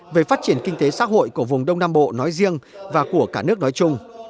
về phát triển kinh tế xã hội của vùng đông nam bộ nói riêng và của cả nước nói chung